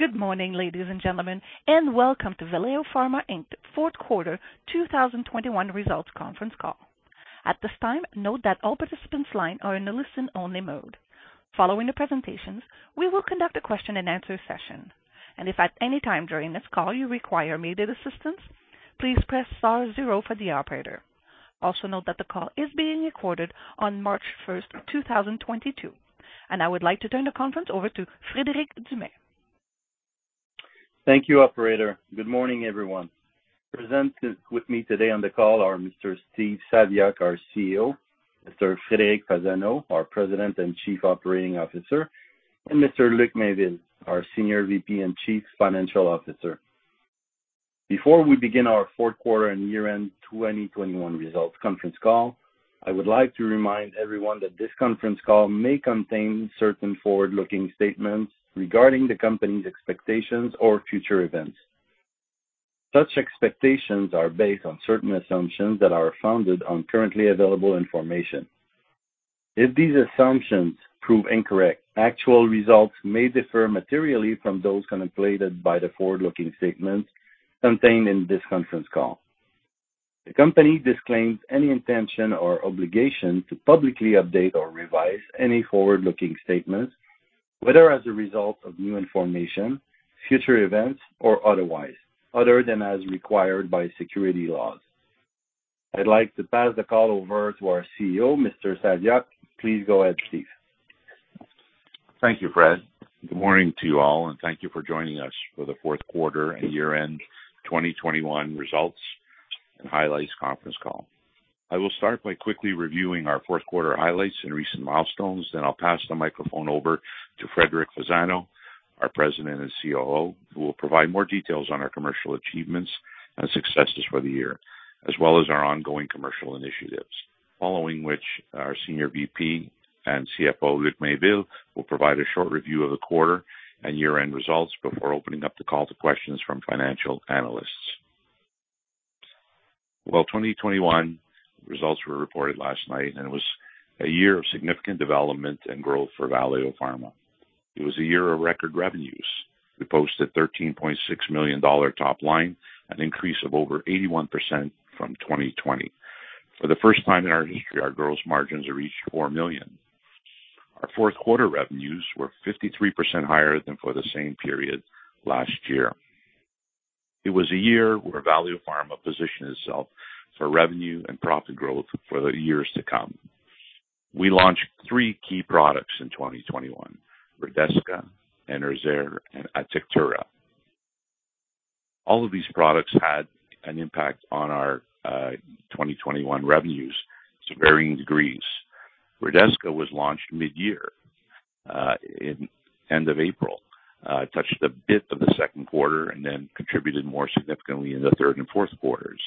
Good morning, ladies and gentlemen, and welcome to Valeo Pharma Inc.'s fourth quarter 2021 results conference call. At this time, note that all participants' lines are in a listen-only mode. Following the presentations, we will conduct a question-and-answer session. If at any time during this call you require immediate assistance, please press star zero for the operator. Also note that the call is being recorded on March 1st, 2022. I would like to turn the conference over to Frederic Dumais. Thank you, operator. Good morning, everyone. Presenting with me today on the call are Mr. Steve Saviuk, our CEO, Mr. Frederic Fasano, our President and Chief Operating Officer, and Mr. Luc Mainville, our Senior VP and Chief Financial Officer. Before we begin our fourth quarter and year-end 2021 results conference call, I would like to remind everyone that this conference call may contain certain forward-looking statements regarding the company's expectations or future events. Such expectations are based on certain assumptions that are founded on currently available information. If these assumptions prove incorrect, actual results may differ materially from those contemplated by the forward-looking statements contained in this conference call. The company disclaims any intention or obligation to publicly update or revise any forward-looking statements, whether as a result of new information, future events, or otherwise, other than as required by security laws. I'd like to pass the call over to our CEO, Mr. Saviuk. Please go ahead, Steve. Thank you, Fred. Good morning to you all, and thank you for joining us for the fourth quarter and year-end 2021 results and highlights conference call. I will start by quickly reviewing our fourth quarter highlights and recent milestones. Then I'll pass the microphone over to Frederic Fasano, our President and COO, who will provide more details on our commercial achievements and successes for the year, as well as our ongoing commercial initiatives. Following which, our Senior VP and CFO, Luc Mainville, will provide a short review of the quarter and year-end results before opening up the call to questions from financial analysts. Well, 2021 results were reported last night, and it was a year of significant development and growth for Valeo Pharma. It was a year of record revenues. We posted 13.6 million dollar top line, an increase of over 81% from 2020. For the first time in our history, our gross margins reached 4 million. Our fourth quarter revenues were 53% higher than for the same period last year. It was a year where Valeo Pharma positioned itself for revenue and profit growth for the years to come. We launched three key products in 2021, Redesca, Enerzair, and Atectura. All of these products had an impact on our 2021 revenues to varying degrees. Redesca was launched mid-year in end of April. Touched a bit of the second quarter and then contributed more significantly in the third and fourth quarters.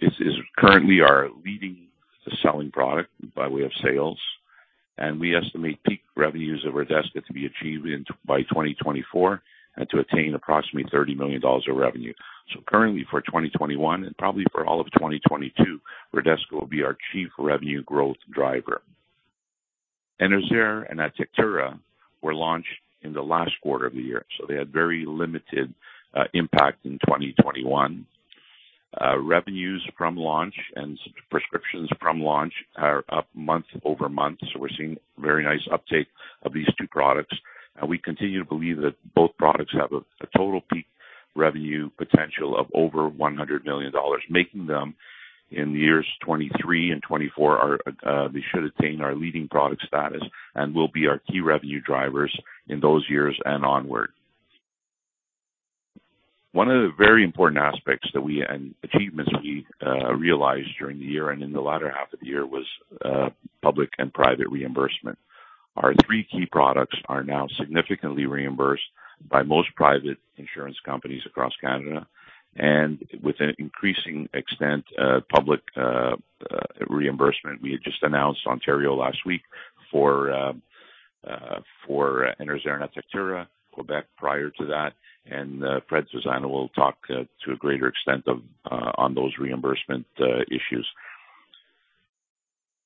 This is currently our leading selling product by way of sales, and we estimate peak revenues of Redesca to be achieved in by 2024 and to attain approximately 30 million dollars of revenue. Currently for 2021 and probably for all of 2022, Redesca will be our chief revenue growth driver. Enerzair and Atectura were launched in the last quarter of the year, so they had very limited impact in 2021. Revenues from launch and prescriptions from launch are up month-over-month. We're seeing very nice uptake of these two products. We continue to believe that both products have a total peak revenue potential of over 100 million dollars, making them in years 2023 and 2024 they should attain our leading product status and will be our key revenue drivers in those years and onward. One of the very important aspects and achievements we realized during the year and in the latter half of the year was public and private reimbursement. Our three key products are now significantly reimbursed by most private insurance companies across Canada and with an increasing extent, public reimbursement. We had just announced Ontario last week for Enerzair and Atectura, Quebec prior to that. Frederic Fasano will talk to a greater extent of on those reimbursement issues.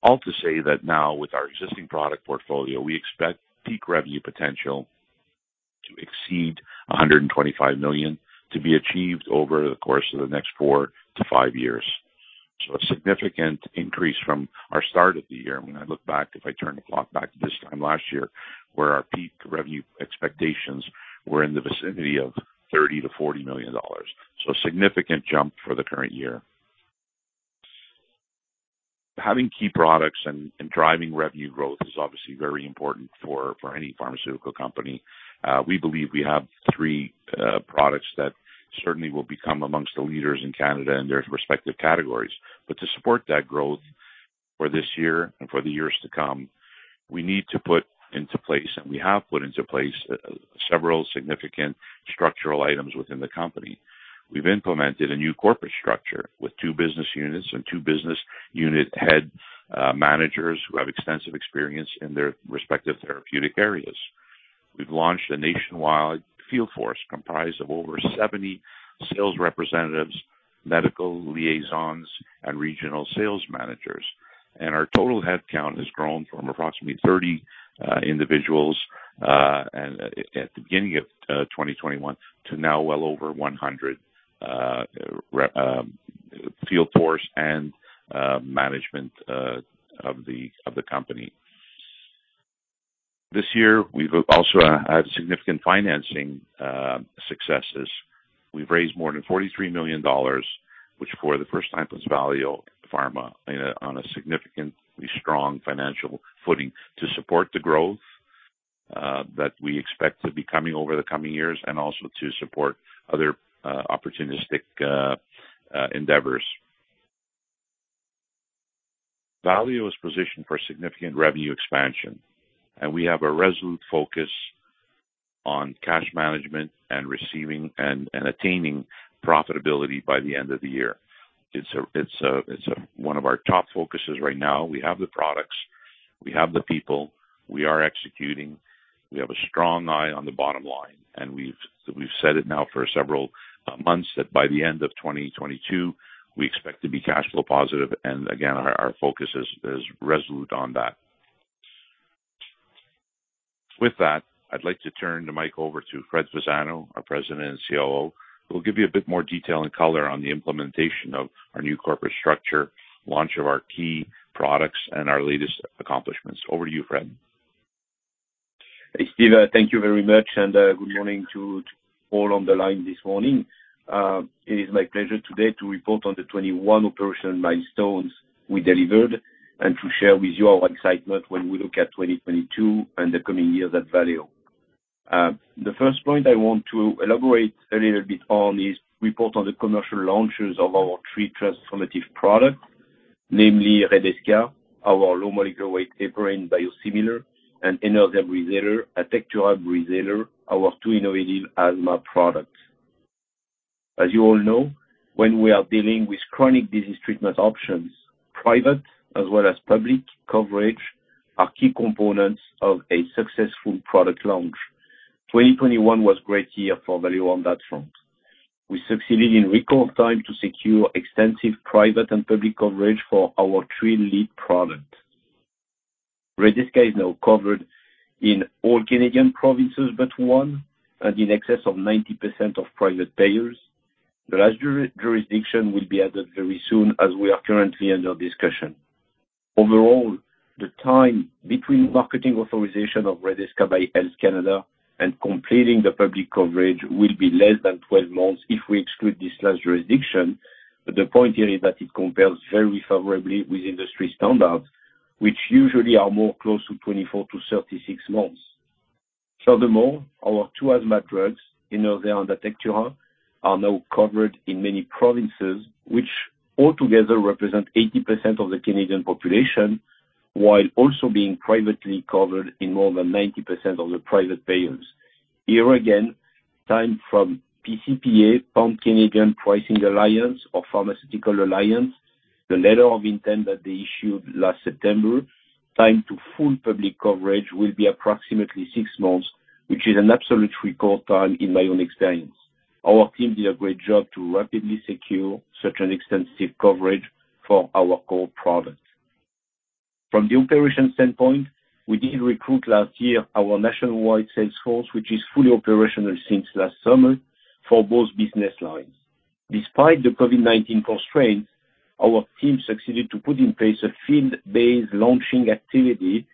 All to say that now with our existing product portfolio, we expect peak revenue potential to exceed 125 million to be achieved over the course of the next 4-5 years. A significant increase from our start of the year. When I look back, if I turn the clock back to this time last year, where our peak revenue expectations were in the vicinity of 30 million-40 million dollars. A significant jump for the current year. Having key products and driving revenue growth is obviously very important for any pharmaceutical company. We believe we have three products that certainly will become among the leaders in Canada in their respective categories. To support that growth for this year and for the years to come, we need to put into place, and we have put into place, several significant structural items within the company. We've implemented a new corporate structure with two business units and two business unit head managers who have extensive experience in their respective therapeutic areas. We've launched a nationwide field force comprised of over 70 sales representatives, medical liaisons, and regional sales managers. Our total headcount has grown from approximately 30 individuals at the beginning of 2021 to now well over 100 field force and management of the company. This year, we've also had significant financing successes. We've raised more than 43 million dollars, which for the first time puts Valeo Pharma on a significantly strong financial footing to support the growth that we expect to be coming over the coming years and also to support other opportunistic endeavors. Valeo is positioned for significant revenue expansion, and we have a resolute focus on cash management and achieving and attaining profitability by the end of the year. It's one of our top focuses right now. We have the products. We have the people. We are executing. We have a strong eye on the bottom line, and we've said it now for several months that by the end of 2022, we expect to be cash flow positive. Again, our focus is resolute on that. With that, I'd like to turn the mic over to Frederic Fasano, our President and COO, who will give you a bit more detail and color on the implementation of our new corporate structure, launch of our key products and our latest accomplishments. Over to you, Fred. Hey, Steve, thank you very much and good morning to all on the line this morning. It is my pleasure today to report on the 21 operational milestones we delivered and to share with you our excitement when we look at 2022 and the coming years at Valeo. The first point I want to elaborate a little bit on is to report on the commercial launches of our three transformative products, namely Redesca, our low molecular weight heparin biosimilar and Enerzair Breezhaler and Atectura Breezhaler, our two innovative asthma products. As you all know, when we are dealing with chronic disease treatment options, private as well as public coverage are key components of a successful product launch. 2021 was great year for Valeo on that front. We succeeded in record time to secure extensive private and public coverage for our three lead products. Redesca is now covered in all Canadian provinces but one, and in excess of 90% of private payers. The last jurisdiction will be added very soon as we are currently under discussion. Overall, the time between marketing authorization of Redesca by Health Canada and completing the public coverage will be less than 12 months if we exclude this last jurisdiction. The point here is that it compares very favorably with industry standards, which usually are more close to 24 to 36 months. Furthermore, our two asthma drugs, Enerzair and Atectura, are now covered in many provinces which altogether represent 80% of the Canadian population, while also being privately covered in more than 90% of the private payers. Here again, time from PCPA, pan-Canadian Pharmaceutical Alliance or Pharmaceutical Alliance, the letter of intent that they issued last September, time to full public coverage will be approximately six months, which is an absolute record time in my own experience. Our team did a great job to rapidly secure such an extensive coverage for our core products. From the operation standpoint, we did recruit last year our nationwide sales force, which is fully operational since last summer, for both business lines. Despite the COVID-19 constraints, our team succeeded to put in place a field-based launching activity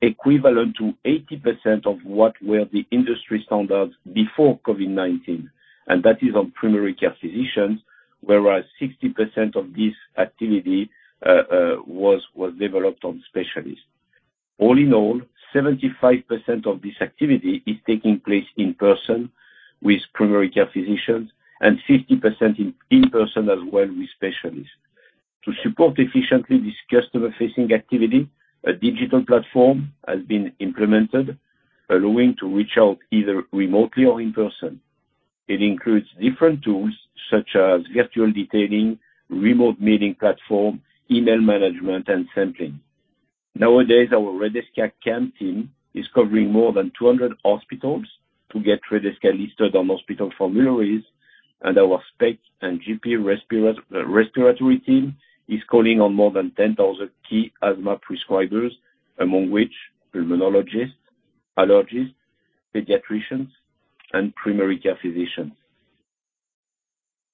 equivalent to 80% of what were the industry standards before COVID-19, and that is on primary care physicians, whereas 60% of this activity was developed on specialists. All in all, 75% of this activity is taking place in person with primary care physicians and 50% in person as well with specialists. To support efficiently this customer facing activity, a digital platform has been implemented, allowing to reach out either remotely or in person. It includes different tools such as virtual detailing, remote meeting platform, email management and sampling. Nowadays, our Redesca team is covering more than 200 hospitals to get Redesca listed on hospital formularies and our spec and GP respiratory team is calling on more than 10,000 key asthma prescribers, among which pulmonologists, allergists, pediatricians and primary care physicians.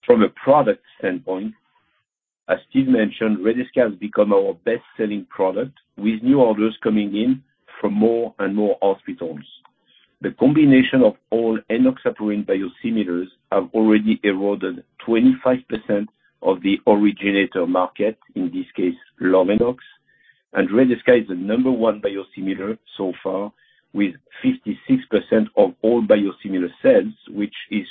From a product standpoint, as Steve mentioned, Redesca has become our best-selling product, with new orders coming in from more and more hospitals. The combination of all enoxaparin biosimilars have already eroded 25% of the originator market, in this case Lovenox. Redesca is the number one biosimilar so far with 56% of all biosimilar sales, which is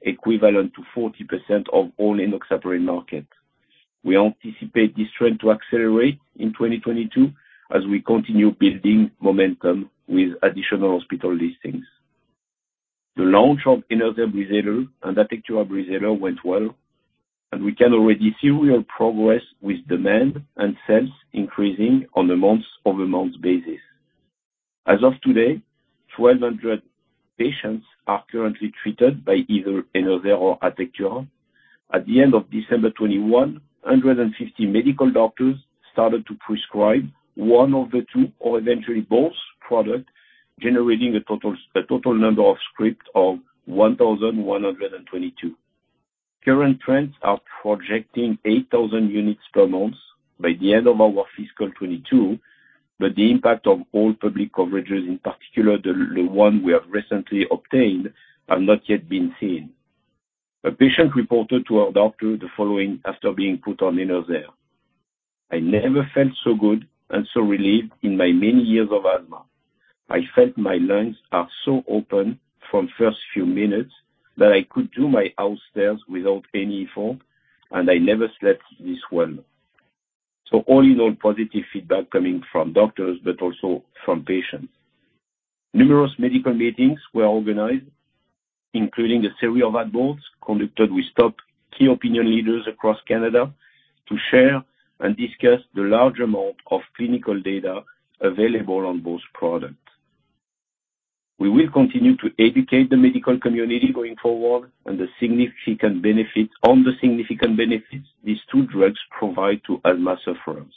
equivalent to 40% of all enoxaparin market. We anticipate this trend to accelerate in 2022 as we continue building momentum with additional hospital listings. The launch of Enerzair Breezhaler and Atectura Breezhaler went well, and we can already see real progress with demand and sales increasing on a month-over-month basis. As of today, 1,200 patients are currently treated by either Enerzair or Atectura. At the end of December 2021, 150 medical doctors started to prescribe one of the two or eventually both products, generating a total number of scripts of 1,122. Current trends are projecting 8,000 units per month by the end of our fiscal 2022, but the impact of all public coverages, in particular the one we have recently obtained, have not yet been seen. A patient reported to her doctor the following after being put on Enerzair: "I never felt so good and so relieved in my many years of asthma. I felt my lungs are so open from first few minutes that I could do my house stairs without any effort, and I never slept this well." All in all, positive feedback coming from doctors but also from patients. Numerous medical meetings were organized, including a series of ad boards conducted with top key opinion leaders across Canada to share and discuss the large amount of clinical data available on both products. We will continue to educate the medical community going forward on the significant benefits these two drugs provide to asthma sufferers.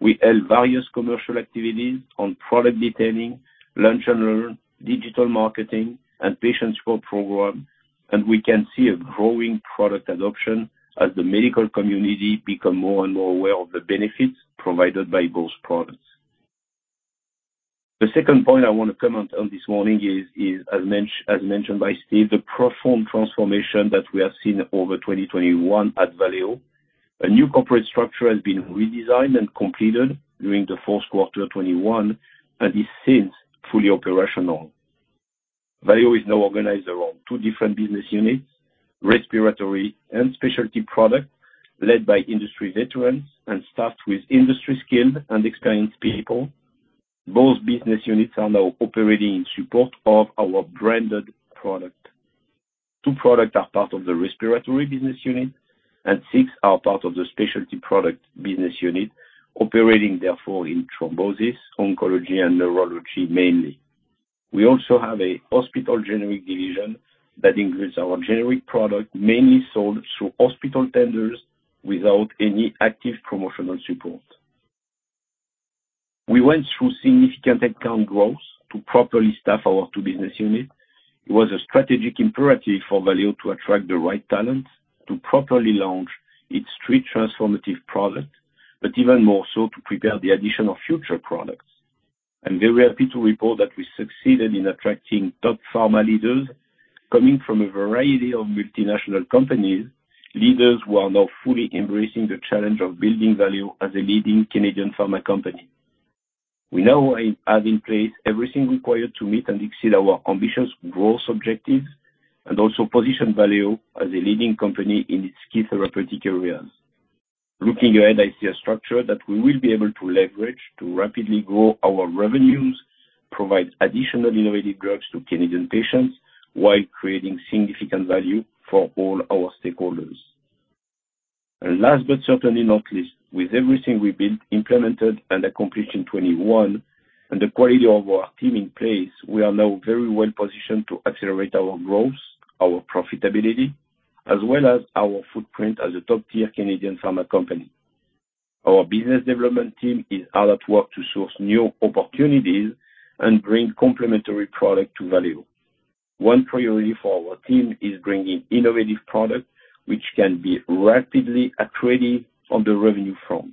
We held various commercial activities on product detailing, lunch and learn, digital marketing, and patient support program, and we can see a growing product adoption as the medical community become more and more aware of the benefits provided by both products. The second point I wanna comment on this morning is as mentioned by Steve, the profound transformation that we have seen over 2021 at Valeo. A new corporate structure has been redesigned and completed during the fourth quarter of 2021 and is since fully operational. Valeo is now organized around two different business units, Respiratory and Specialty Products, led by industry veterans and staffed with industry skilled and experienced people. Both business units are now operating in support of our branded product. Two products are part of the respiratory business unit, and six are part of the specialty product business unit, operating therefore in thrombosis, oncology, and neurology mainly. We also have a hospital generic division that includes our generic product, mainly sold through hospital tenders without any active promotional support. We went through significant headcount growth to properly staff our two business units. It was a strategic imperative for Valeo to attract the right talent to properly launch its three transformative products, but even more so to prepare the addition of future products. I'm very happy to report that we succeeded in attracting top pharma leaders coming from a variety of multinational companies, leaders who are now fully embracing the challenge of building Valeo as a leading Canadian pharma company. We now have in place everything required to meet and exceed our ambitious growth objectives and also position Valeo as a leading company in its key therapeutic areas. Looking ahead, I see a structure that we will be able to leverage to rapidly grow our revenues, provide additional innovative drugs to Canadian patients, while creating significant value for all our stakeholders. Last but certainly not least, with everything we built, implemented, and accomplished in 2021, and the quality of our team in place, we are now very well positioned to accelerate our growth, our profitability, as well as our footprint as a top-tier Canadian pharma company. Our business development team is hard at work to source new opportunities and bring complementary product to Valeo. One priority for our team is bringing innovative product which can be rapidly accretive on the revenue front.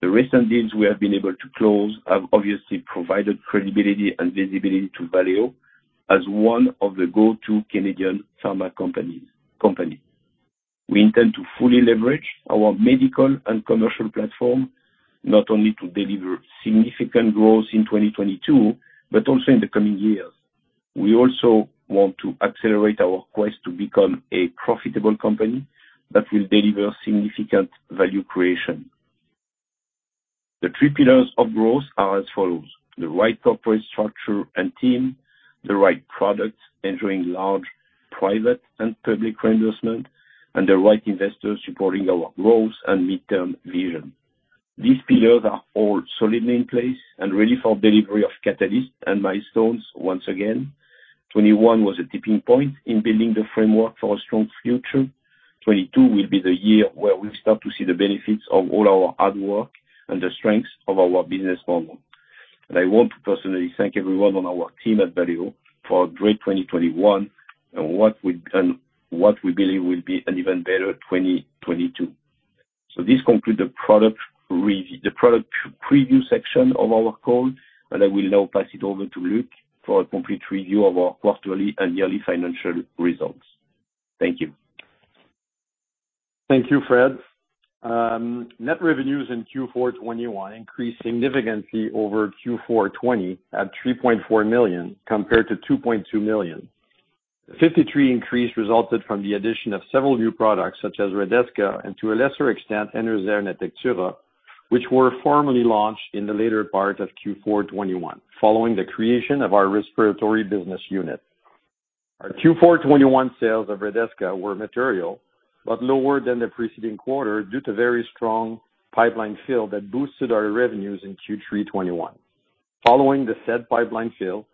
The recent deals we have been able to close have obviously provided credibility and visibility to Valeo as one of the go-to Canadian pharma companies. We intend to fully leverage our medical and commercial platform, not only to deliver significant growth in 2022, but also in the coming years. We also want to accelerate our quest to become a profitable company that will deliver significant value creation. The three pillars of growth are as follows. The right corporate structure and team, the right products enjoying large private and public reimbursement, and the right investors supporting our growth and midterm vision. These pillars are all solidly in place and ready for delivery of catalyst and milestones once again. 2021 was a tipping point in building the framework for our strong future. 2022 will be the year where we start to see the benefits of all our hard work and the strengths of our business model. I want to personally thank everyone on our team at Valeo for a great 2021 and what we believe will be an even better 2022. This concludes the product preview section of our call, and I will now pass it over to Luc for a complete review of our quarterly and yearly financial results. Thank you. Thank you, Fred. Net revenues in Q4 2021 increased significantly over Q4 2020 at 3.4 million compared to 2.2 million. The 53% increase resulted from the addition of several new products such as Redesca and to a lesser extent, Enerzair and Atectura, which were formally launched in the later part of Q4 2021 following the creation of our respiratory business unit. Our Q4 2021 sales of Redesca were material, but lower than the preceding quarter due to very strong pipeline fill that boosted our revenues in Q3 2021. Following the said pipeline fill,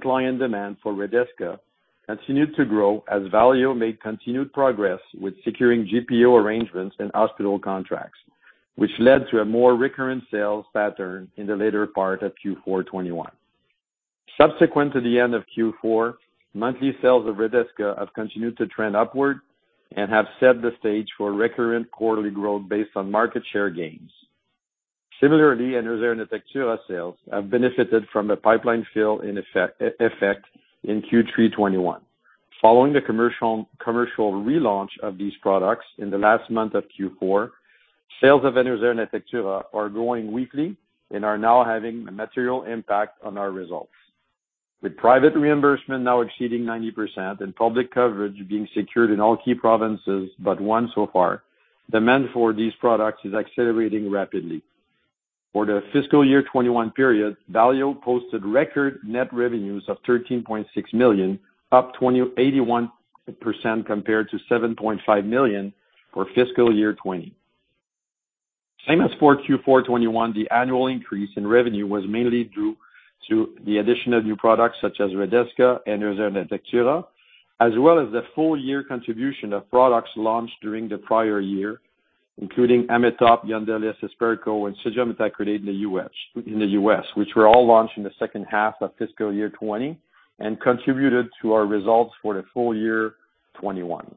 client demand for Redesca continued to grow as Valeo made continued progress with securing GPO arrangements and hospital contracts, which led to a more recurrent sales pattern in the later part of Q4 2021. Subsequent to the end of Q4, monthly sales of Redesca have continued to trend upward and have set the stage for recurrent quarterly growth based on market share gains. Similarly, Enerzair and Atectura sales have benefited from the pipeline fill-in effect in Q3 2021. Following the commercial relaunch of these products in the last month of Q4, sales of Enerzair and Atectura are growing weekly and are now having a material impact on our results. With private reimbursement now exceeding 90% and public coverage being secured in all key provinces, but one so far, demand for these products is accelerating rapidly. For the fiscal year 2021 period, Valeo posted record net revenues of 13.6 million, up 81% compared to 7.5 million for fiscal year 2020. Same as for Q4 2021, the annual increase in revenue was mainly due to the addition of new products such as Redesca and Enerzair and Atectura, as well as the full year contribution of products launched during the prior year, including Ametop, Yondelis, Hesperco, and Sodium Ethacrynate in the U.S., which were all launched in the second half of fiscal year 2020 and contributed to our results for the full year 2021.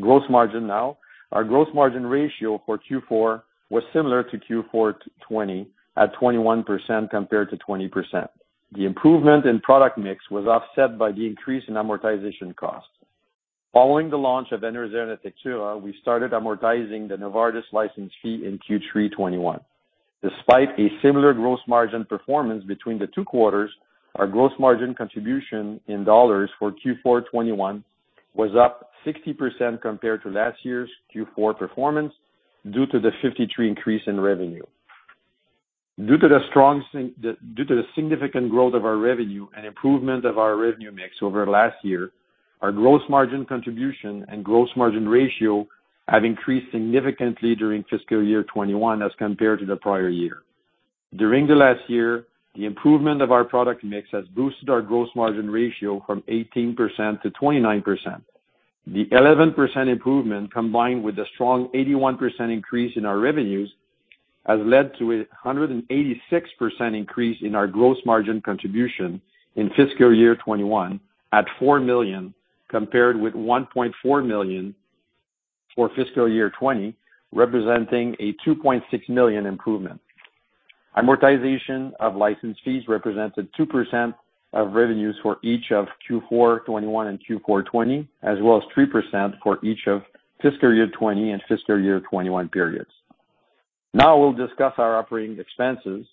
Gross margin now. Our gross margin ratio for Q4 was similar to Q4 2020 at 21% compared to 20%. The improvement in product mix was offset by the increase in amortization costs. Following the launch of Enerzair and Atectura, we started amortizing the Novartis license fee in Q3 2021. Despite a similar gross margin performance between the two quarters, our gross margin contribution in dollars for Q4 2021 was up 60% compared to last year's Q4 performance due to the 53% increase in revenue. Due to the significant growth of our revenue and improvement of our revenue mix over last year, our gross margin contribution and gross margin ratio have increased significantly during fiscal year 2021 as compared to the prior year. During the last year, the improvement of our product mix has boosted our gross margin ratio from 18%-29%. The 11% improvement, combined with the strong 81% increase in our revenues, has led to a 186% increase in our gross margin contribution in fiscal year 2021 at 4 million, compared with 1.4 million for fiscal year 2020, representing a 2.6 million improvement. Amortization of license fees represented 2% of revenues for each of Q4 2021 and Q4 2020, as well as 3% for each of fiscal year 2020 and fiscal year 2021 periods. Now we'll discuss our operating expenses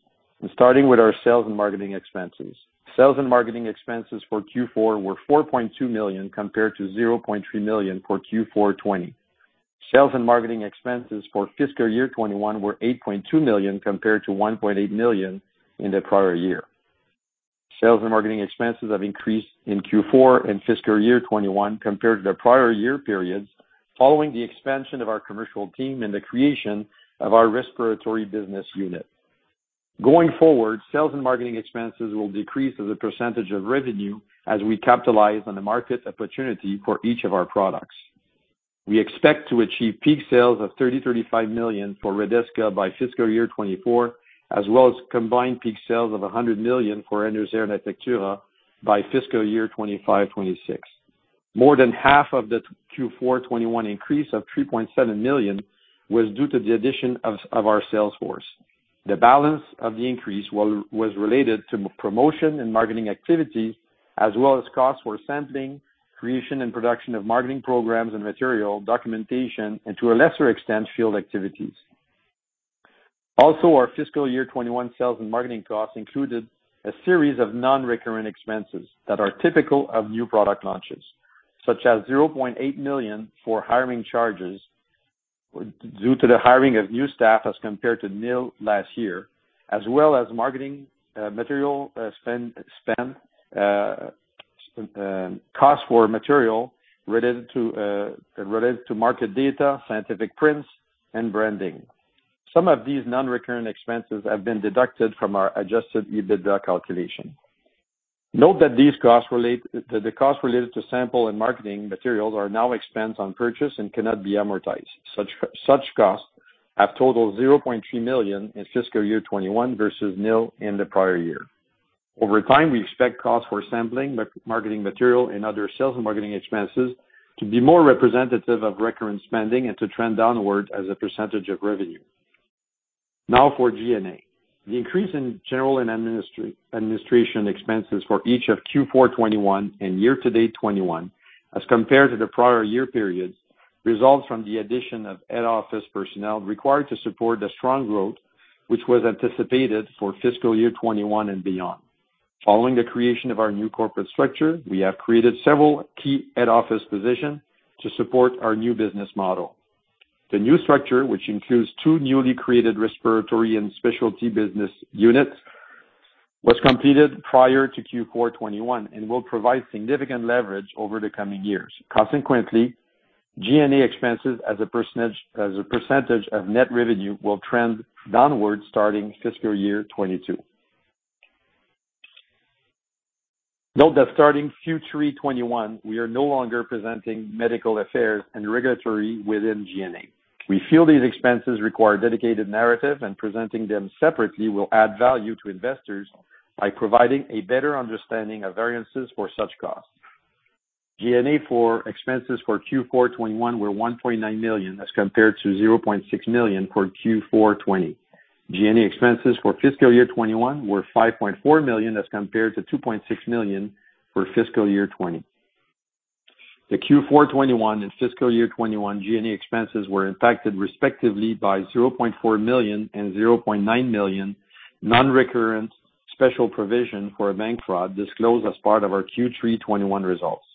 and starting with our sales and marketing expenses. Sales and marketing expenses for Q4 were 4.2 million, compared to 0.3 million for Q4 2020. Sales and marketing expenses for fiscal year 2021 were 8.2 million compared to 1.8 million in the prior year. Sales and marketing expenses have increased in Q4 and fiscal year 2021 compared to the prior year periods following the expansion of our commercial team and the creation of our respiratory business unit. Going forward, sales and marketing expenses will decrease as a percentage of revenue as we capitalize on the market opportunity for each of our products. We expect to achieve peak sales of 30 million-35 million for Redesca by fiscal year 2024, as well as combined peak sales of 100 million for Enerzair and Atectura by fiscal year 2025, 2026. More than half of the Q4 2021 increase of 3.7 million was due to the addition of our sales force. The balance of the increase was related to promotion and marketing activities, as well as costs for sampling, creation and production of marketing programs and material, documentation, and to a lesser extent, field activities. Also, our fiscal year 2021 sales and marketing costs included a series of non-recurrent expenses that are typical of new product launches, such as 0.8 million for hiring charges due to the hiring of new staff as compared to nil last year, as well as marketing material spend cost for material related to market data, scientific prints, and branding. Some of these non-recurrent expenses have been deducted from our adjusted EBITDA calculation. Note that the costs related to sample and marketing materials are now expensed on purchase and cannot be amortized. Such costs have totaled 0.3 million in fiscal year 2021 versus nil in the prior year. Over time, we expect costs for sampling, marketing material, and other sales and marketing expenses to be more representative of recurrent spending and to trend downward as a percentage of revenue. Now for G&A. The increase in general and administration expenses for each of Q4 2021 and year-to-date 2021, as compared to the prior year periods, results from the addition of head office personnel required to support the strong growth, which was anticipated for fiscal year 2021 and beyond. Following the creation of our new corporate structure, we have created several key head office positions to support our new business model. The new structure, which includes two newly created respiratory and specialty business units, was completed prior to Q4 2021 and will provide significant leverage over the coming years. Consequently, G&A expenses as a percentage of net revenue will trend downwards starting fiscal year 2022. Note that starting Q3 2021, we are no longer presenting medical affairs and regulatory within G&A. We feel these expenses require dedicated narrative, and presenting them separately will add value to investors by providing a better understanding of variances for such costs. G&A expenses for Q4 2021 were 1.9 million as compared to 0.6 million for Q4 2020. G&A expenses for fiscal year 2021 were 5.4 million as compared to 2.6 million for fiscal year 2020. The Q4 2021 and fiscal year 2021 G&A expenses were impacted respectively by 0.4 million and 0.9 million non-recurrent special provision for a bank fraud disclosed as part of our Q3 2021 results.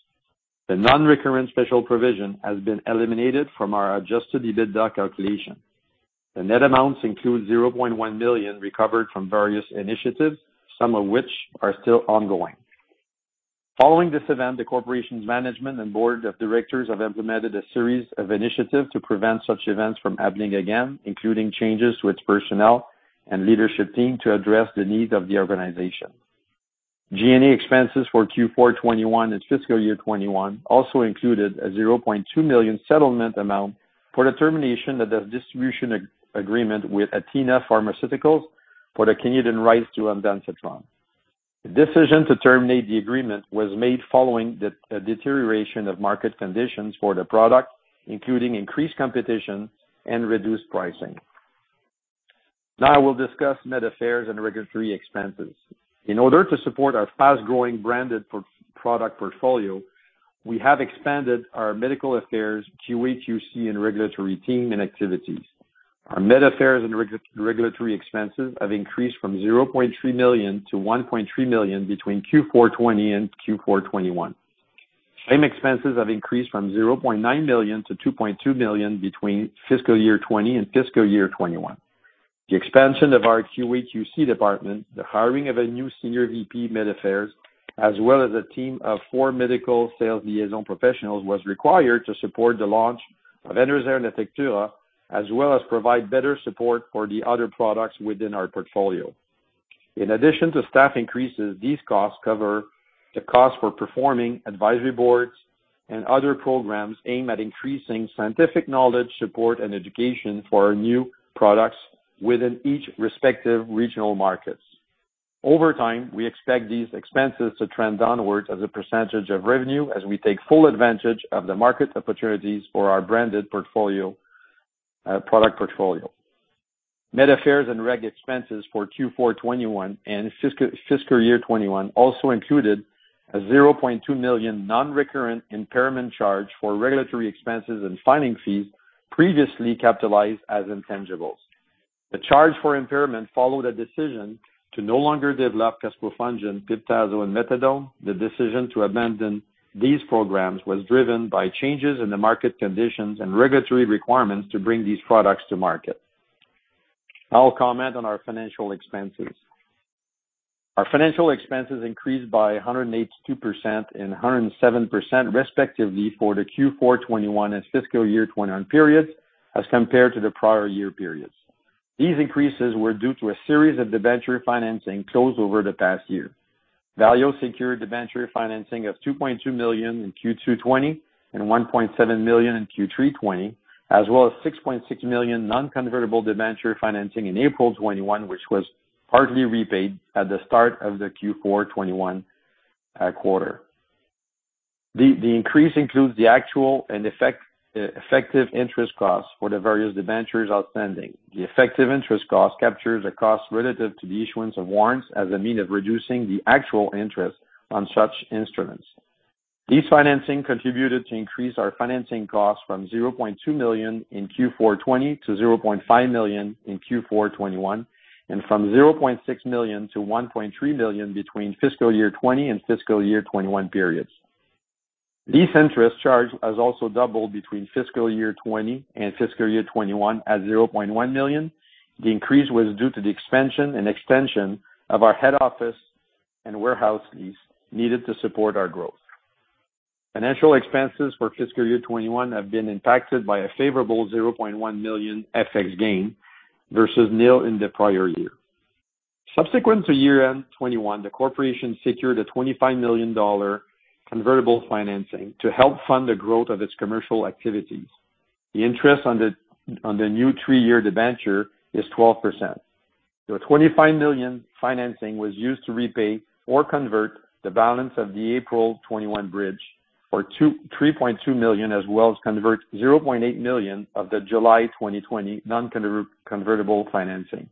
The non-recurrent special provision has been eliminated from our adjusted EBITDA calculation. The net amounts include 0.1 million recovered from various initiatives, some of which are still ongoing. Following this event, the corporation's management and board of directors have implemented a series of initiatives to prevent such events from happening again, including changes to its personnel and leadership team to address the needs of the organization. G&A expenses for Q4 2021 and fiscal year 2021 also included a 0.2 million settlement amount for the termination of the distribution agreement with Atnahs Pharmaceuticals for the Canadian rights to ondansetron. The decision to terminate the agreement was made following the deterioration of market conditions for the product, including increased competition and reduced pricing. Now we'll discuss medical affairs and regulatory expenses. In order to support our fast-growing branded product portfolio, we have expanded our medical affairs QA/QC and regulatory team and activities. Our medical affairs and regulatory expenses have increased from 0.3 million-1.3 million between Q4 2020 and Q4 2021. The same expenses have increased from 0.9 million-2.2 million between fiscal year 2020 and fiscal year 2021. The expansion of our QA/QC department, the hiring of a new senior VP med affairs, as well as a team of four medical sales liaison professionals, was required to support the launch of Enerzair and Atectura, as well as provide better support for the other products within our portfolio. In addition to staff increases, these costs cover the cost for performing advisory boards and other programs aimed at increasing scientific knowledge, support, and education for our new products within each respective regional markets. Over time, we expect these expenses to trend downwards as a percentage of revenue as we take full advantage of the market opportunities for our branded portfolio, product portfolio. Med affairs and reg expenses for Q4 2021 and fiscal year 2021 also included a 0.2 million non-recurrent impairment charge for regulatory expenses and filing fees previously capitalized as intangibles. The charge for impairment followed a decision to no longer develop caspofungin, piperacillin/tazobactam, and methadone. The decision to abandon these programs was driven by changes in the market conditions and regulatory requirements to bring these products to market. I'll comment on our financial expenses. Our financial expenses increased by 182% and 107% respectively for the Q4 2021 and fiscal year 2021 periods as compared to the prior year periods. These increases were due to a series of debenture financings closed over the past year. Valeo secured debenture financing of 2.2 million in Q2 2020 and 1.7 million in Q3 2020, as well as 6.6 million non-convertible debenture financing in April 2021, which was partly repaid at the start of the Q4 2021 quarter. The increase includes the effective interest costs for the various debentures outstanding. The effective interest cost captures the cost relative to the issuance of warrants as a means of reducing the actual interest on such instruments. These financing contributed to increase our financing costs from 0.2 million in Q4 2020 to 0.5 million in Q4 2021 and from 0.6 million-1.3 million between fiscal year 2020 and fiscal year 2021 periods. Lease interest charge has also doubled between fiscal year 2020 and fiscal year 2021 at 0.1 million. The increase was due to the expansion and extension of our head office and warehouse lease needed to support our growth. Financial expenses for fiscal year 2021 have been impacted by a favorable 0.1 million FX gain versus nil in the prior year. Subsequent to year-end 2021, the corporation secured a 25 million dollar convertible financing to help fund the growth of its commercial activities. The interest on the new three-year debenture is 12%. The 25 million financing was used to repay or convert the balance of the April 2021 bridge for 3.2 million, as well as convert 0.8 million of the July 2020 nonconvertible financing.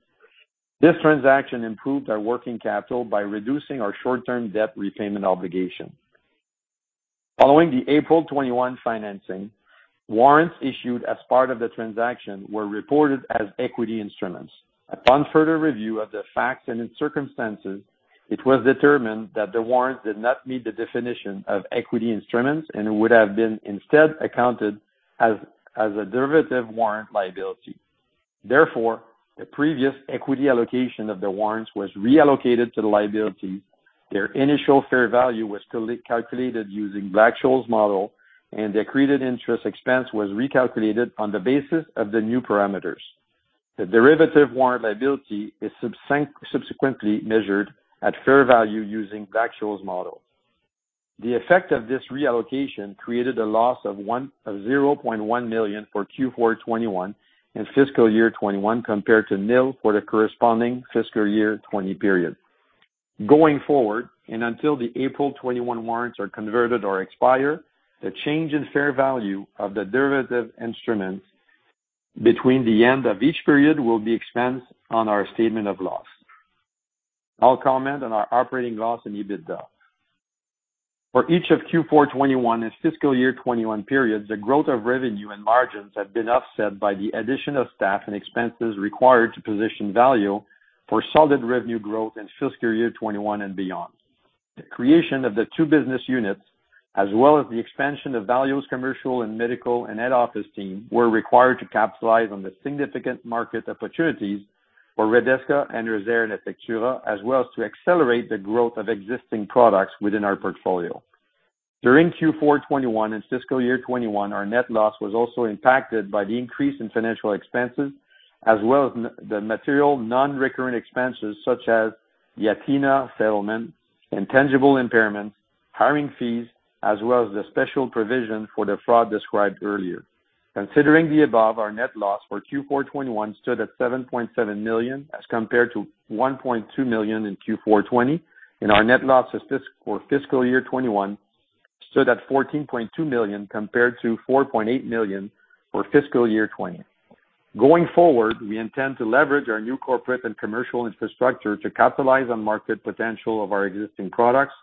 This transaction improved our working capital by reducing our short-term debt repayment obligation. Following the April 2021 financing, warrants issued as part of the transaction were reported as equity instruments. Upon further review of the facts and the circumstances, it was determined that the warrants did not meet the definition of equity instruments and would have been instead accounted as a derivative warrant liability. Therefore, the previous equity allocation of the warrants was reallocated to the liabilities. Their initial fair value was totally calculated using Black-Scholes model, and the accreted interest expense was recalculated on the basis of the new parameters. The derivative warrant liability is subsequently measured at fair value using Black-Scholes model. The effect of this reallocation created a loss of 0.1 million for Q4 2021 and fiscal year 2021 compared to nil for the corresponding fiscal year 2020 period. Going forward, until the April 2021 warrants are converted or expire, the change in fair value of the derivative instruments between the end of each period will be expensed on our statement of loss. I'll comment on our operating loss and EBITDA. For each of Q4 2021 and fiscal year 2021 periods, the growth of revenue and margins have been offset by the addition of staff and expenses required to position Valeo for solid revenue growth in fiscal year 2021 and beyond. The creation of the two business units, as well as the expansion of Valeo's commercial and medical and head office team, were required to capitalize on the significant market opportunities for Redesca, Enerzair and Atectura, as well as to accelerate the growth of existing products within our portfolio. During Q4 2021 and fiscal year 2021, our net loss was also impacted by the increase in financial expenses as well as the material non-recurring expenses such as the Atnahs settlement, intangible impairments, hiring fees, as well as the special provision for the fraud described earlier. Considering the above, our net loss for Q4 2021 stood at 7.7 million as compared to 1.2 million in Q4 2020, and our net loss for fiscal year 2021 stood at 14.2 million compared to 4.8 million for fiscal year 2020. Going forward, we intend to leverage our new corporate and commercial infrastructure to capitalize on market potential of our existing products,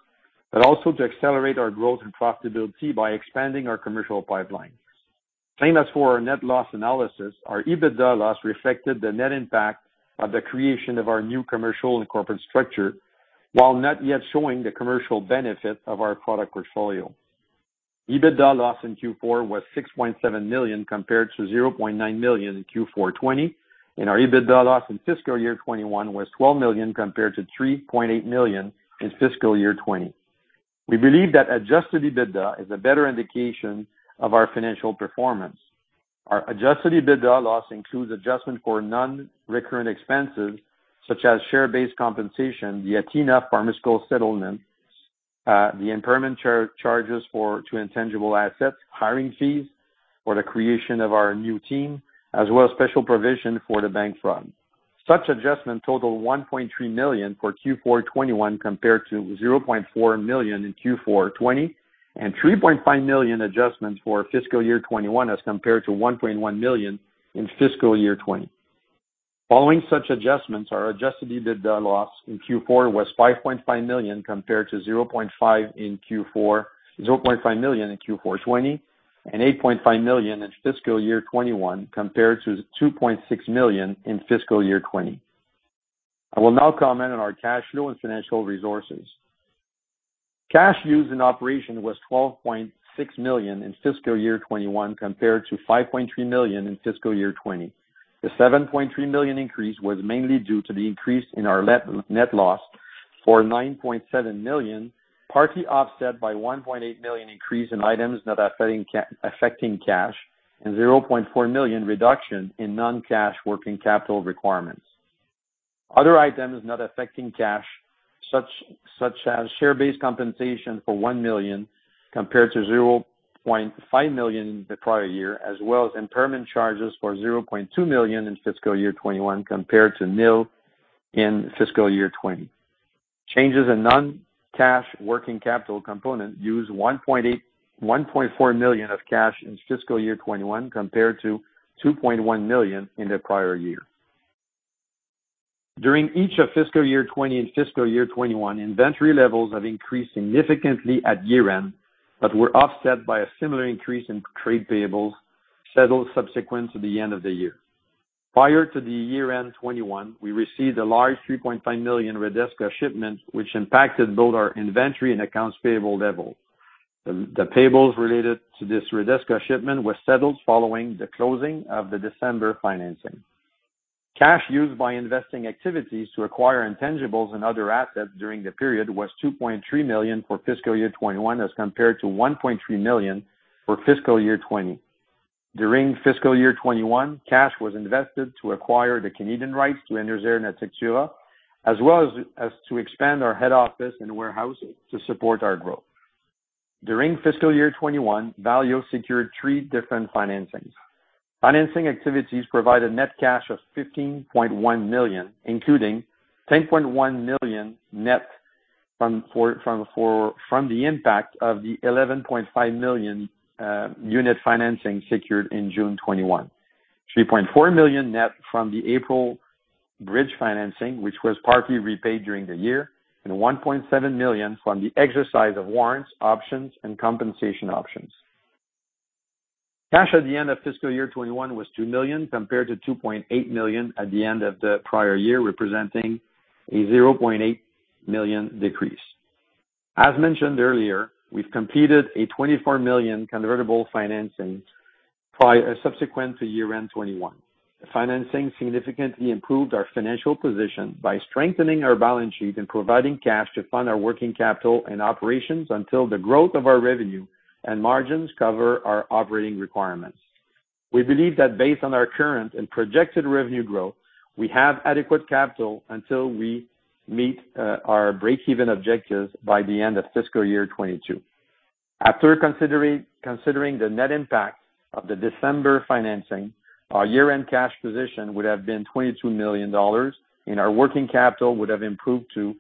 but also to accelerate our growth and profitability by expanding our commercial pipeline. Same as for our net loss analysis, our EBITDA loss reflected the net impact of the creation of our new commercial and corporate structure, while not yet showing the commercial benefit of our product portfolio. EBITDA loss in Q4 was 6.7 million compared to 0.9 million in Q4 2020, and our EBITDA loss in fiscal year 2021 was 12 million compared to 3.8 million in fiscal year 2020. We believe that adjusted EBITDA is a better indication of our financial performance. Our adjusted EBITDA loss includes adjustment for non-recurrent expenses such as share-based compensation, the Atnahs Pharmaceuticals settlement, the impairment charges to intangible assets, hiring fees for the creation of our new team, as well as special provision for the bank fraud. Such adjustments total 1.3 million for Q4 2021 compared to 0.4 million in Q4 2020, and 3.5 million adjustments for fiscal year 2021 as compared to 1.1 million in fiscal year 2020. Following such adjustments, our adjusted EBITDA loss in Q4 was 5.5 million compared to 0.5 million in Q4 2020 and 8.5 million in fiscal year 2021 compared to 2.6 million in fiscal year 2020. I will now comment on our cash flow and financial resources. Cash used in operation was 12.6 million in fiscal year 2021 compared to 5.3 million in fiscal year 2020. The 7.3 million increase was mainly due to the increase in our net loss of 9.7 million, partly offset by 1.8 million increase in items not affecting cash and 0.4 million reduction in non-cash working capital requirements. Other items not affecting cash, such as share-based compensation for 1 million compared to 0.5 million the prior year, as well as impairment charges for 0.2 million in fiscal year 2021 compared to nil in fiscal year 2020. Changes in non-cash working capital component used 1.4 million of cash in fiscal year 2021 compared to 2.1 million in the prior year. During each of fiscal year 2020 and fiscal year 2021, inventory levels have increased significantly at year-end, but were offset by a similar increase in trade payables settled subsequent to the end of the year. Prior to the year-end 2021, we received a large 3.5 million Redesca shipment which impacted both our inventory and accounts payable levels. The payables related to this Redesca shipment were settled following the closing of the December financing. Cash used by investing activities to acquire intangibles and other assets during the period was 2.3 million for fiscal year 2021 as compared to 1.3 million for fiscal year 2020. During fiscal year 2021, cash was invested to acquire the Canadian rights to Enerzair and Atectura, as well as to expand our head office and warehousing to support our growth. During fiscal year 2021, Valeo secured three different financings. Financing activities provided net cash of 15.1 million, including 10.1 million net from the impact of the 11.5 million unit financing secured in June 2021. 3.4 million net from the April bridge financing, which was partly repaid during the year, and 1.7 million from the exercise of warrants, options, and compensation options. Cash at the end of fiscal year 2021 was 2 million, compared to 2.8 million at the end of the prior year, representing a 0.8 million decrease. As mentioned earlier, we've completed a 24 million convertible financing subsequent to year-end 2021. The financing significantly improved our financial position by strengthening our balance sheet and providing cash to fund our working capital and operations until the growth of our revenue and margins cover our operating requirements. We believe that based on our current and projected revenue growth, we have adequate capital until we meet our breakeven objectives by the end of fiscal year 2022. After considering the net impact of the December financing, our year-end cash position would have been 22 million dollars, and our working capital would have improved to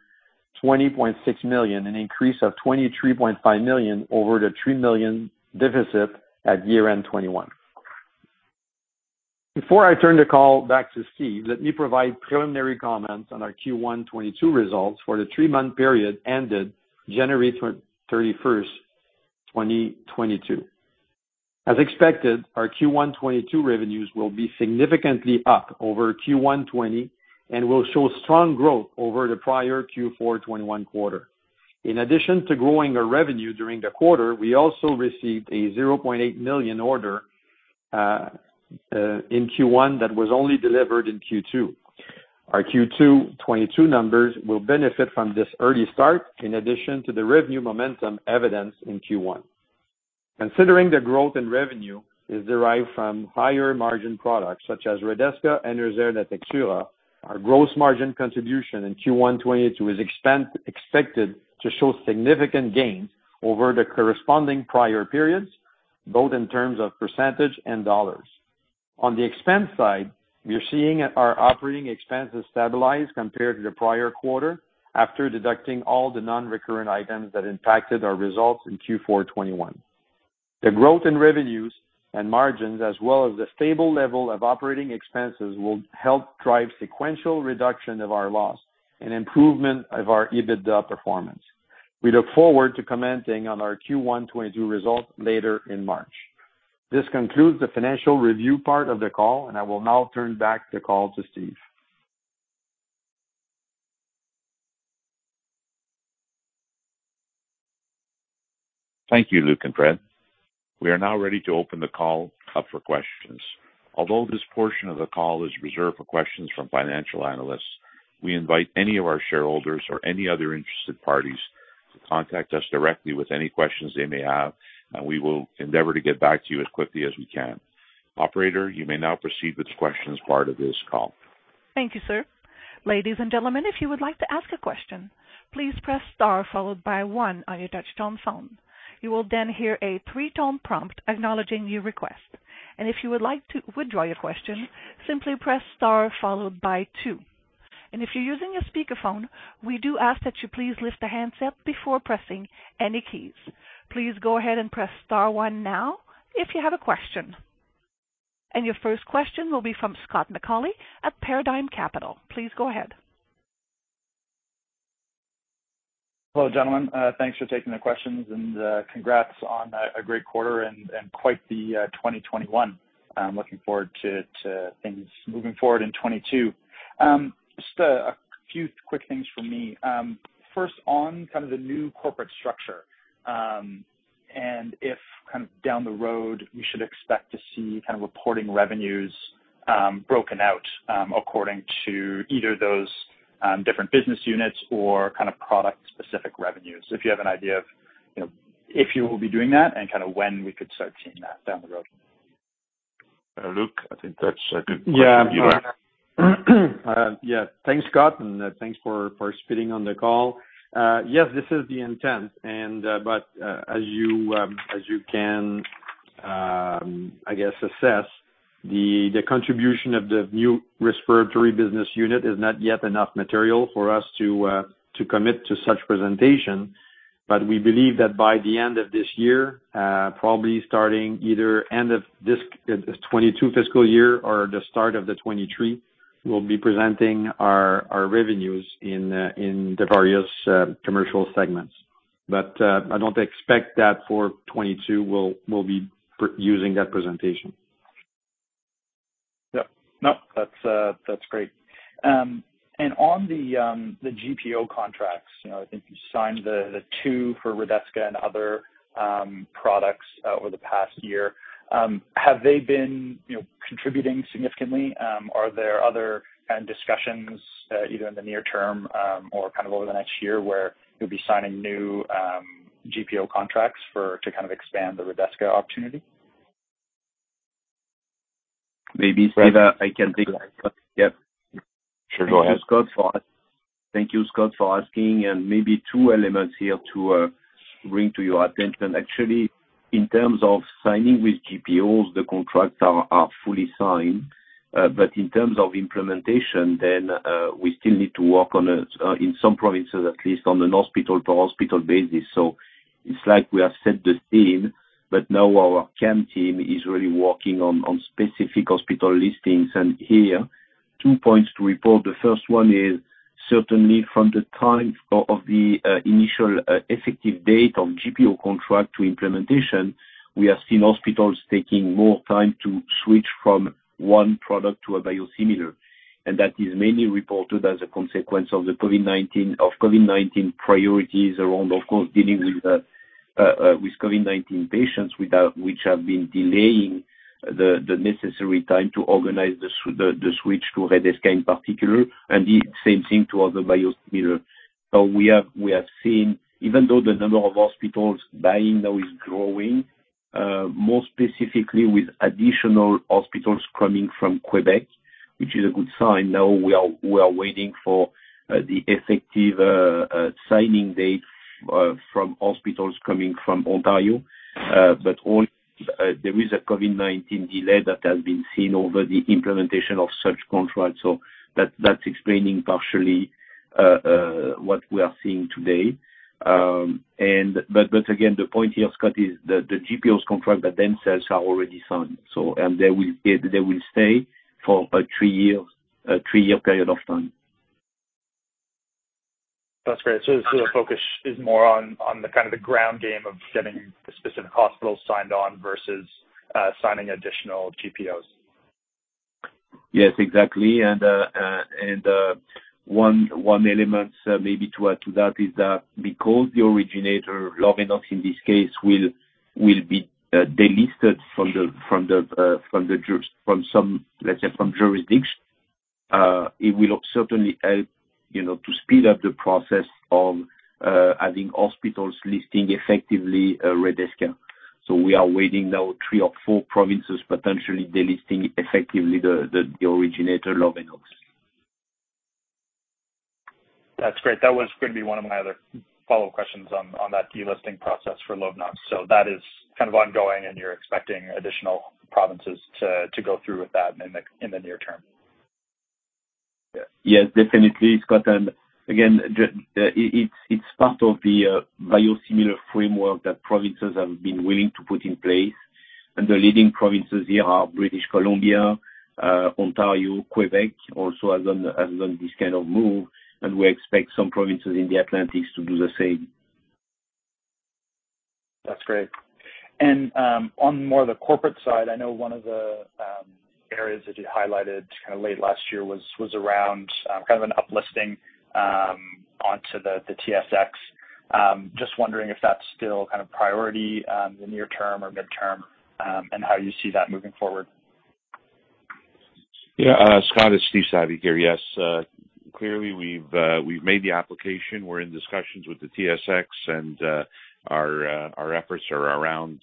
20.6 million, an increase of 23.5 million over the 3 million deficit at year-end 2021. Before I turn the call back to Steve, let me provide preliminary comments on our Q1 2022 results for the three-month period ended January 31st, 2022. As expected, our Q1 2022 revenues will be significantly up over Q1 2020 and will show strong growth over the prior Q4 2021 quarter. In addition to growing our revenue during the quarter, we also received a 0.8 million order in Q1 that was only delivered in Q2. Our Q2 2022 numbers will benefit from this early start in addition to the revenue momentum evidenced in Q1. Considering the growth in revenue is derived from higher margin products such as Redesca and Enerzair and Atectura, our gross margin contribution in Q1 2022 is expected to show significant gains over the corresponding prior periods, both in terms of percentage and dollars. On the expense side, we are seeing our operating expenses stabilize compared to the prior quarter after deducting all the non-recurrent items that impacted our results in Q4 2021. The growth in revenues and margins as well as the stable level of operating expenses will help drive sequential reduction of our loss and improvement of our EBITDA performance. We look forward to commenting on our Q1 2022 results later in March. This concludes the financial review part of the call, and I will now turn back the call to Steve. Thank you, Luc and Fred. We are now ready to open the call up for questions. Although this portion of the call is reserved for questions from financial analysts, we invite any of our shareholders or any other interested parties to contact us directly with any questions they may have, and we will endeavor to get back to you as quickly as we can. Operator, you may now proceed with the questions part of this call. Thank you, sir. Ladies and gentlemen, if you would like to ask a question, please press star followed by one on your touchtone phone. You will then hear a three-tone prompt acknowledging your request. If you would like to withdraw your question, simply press star followed by two. If you're using a speakerphone, we do ask that you please lift the handset before pressing any keys. Please go ahead and press star one now if you have a question. Your first question will be from Scott McAuley at Paradigm Capital. Please go ahead. Hello, gentlemen. Thanks for taking the questions and congrats on a great quarter and quite the 2021. I'm looking forward to things moving forward in 2022. Just a few quick things from me. First on kind of the new corporate structure and if kind of down the road, we should expect to see kind of reporting revenues broken out according to either those different business units or kind of product-specific revenues. If you have an idea of, you know, if you will be doing that and kinda when we could start seeing that down the road? Luc, I think that's a good question for you. Yeah. Thanks, Scott, and thanks for joining the call. Yes, this is the intent, but as you can assess, the contribution of the new respiratory business unit is not yet enough material for us to commit to such presentation. We believe that by the end of this year, probably starting either end of this FY 2022 or the start of 2023, we'll be presenting our revenues in the various commercial segments. I don't expect that for 2022 we'll be using that presentation. Yep. No, that's great. And on the GPO contracts, you know, I think you signed the two for Redesca and other products over the past year. Have they been, you know, contributing significantly? Are there other kind of discussions, either in the near term, or kind of over the next year where you'll be signing new GPO contracts for to kind of expand the Redesca opportunity? Maybe, Steve, I can take that. Yep. Sure, go ahead. Thank you, Scott, for asking, and maybe two elements here to bring to your attention. Actually, in terms of signing with GPOs, the contracts are fully signed. But in terms of implementation, we still need to work on in some provinces, at least on a hospital-to-hospital basis. It's like we have set the scene, but now our sales team is really working on specific hospital listings. Here, two points to report. The first one is certainly from the time of the initial effective date of GPO contract to implementation, we have seen hospitals taking more time to switch from one product to a biosimilar. That is mainly reported as a consequence of COVID-19 priorities around, of course, dealing with COVID-19 patients, which have been delaying the necessary time to organize the switch to Redesca in particular, and the same thing to other biosimilar. We have seen, even though the number of hospitals buying now is growing, more specifically with additional hospitals coming from Quebec, which is a good sign. Now we are waiting for the effective signing date from hospitals coming from Ontario. Overall, there is a COVID-19 delay that has been seen over the implementation of such contracts, so that's explaining partially what we are seeing today. Again, the point here, Scott, is the GPOs contracts themselves are already signed, so they will stay for about three years, three-year period of time. That's great. The focus is more on the kind of the ground game of getting the specific hospitals signed on versus signing additional GPOs. Yes, exactly. One element maybe to add to that is that because the originator, Lovenox in this case, will be delisted from some jurisdictions, it will certainly help, you know, to speed up the process of adding hospitals listing effectively Redesca. We are waiting now three or four provinces, potentially delisting effectively the originator Lovenox. That's great. That was gonna be one of my other follow questions on that delisting process for Lovenox. That is kind of ongoing and you're expecting additional provinces to go through with that in the near term. Yes, definitely, Scott. Again, just, it's part of the biosimilar framework that provinces have been willing to put in place. The leading provinces here are British Columbia, Ontario. Quebec also has done this kind of move, and we expect some provinces in Atlantic Canada to do the same. That's great. On more of the corporate side, I know one of the areas that you highlighted kind of late last year was around kind of an up listing onto the TSX. Just wondering if that's still kind of priority in the near term or midterm, and how you see that moving forward. Yeah, Scott, it's Steve Saviuk here. Yes, clearly we've made the application. We're in discussions with the TSX, and our efforts are around